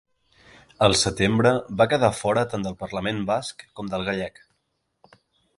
Al setembre, va quedar fora tant del parlament basc com del gallec.